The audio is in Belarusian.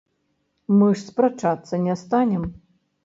Мы ж спрачацца не станем.